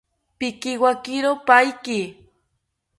Pikiwakiro paiki